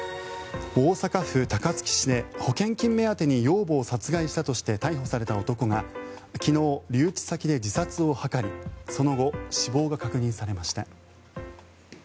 大阪府高槻市で保険金目当てに養母を殺害したとして逮捕された男が昨日、留置先で自殺を図りその後、死亡が確認されました。